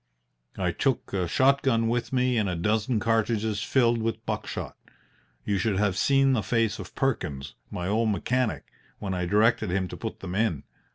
I took a shot gun with me and a dozen cartridges filled with buck shot. You should have seen the face of Perkins, my old mechanic, when I directed him to put them in.